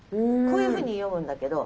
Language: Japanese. こういうふうに詠むんだけど。